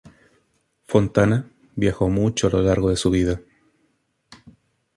Fontana viajó mucho a lo largo de su vida.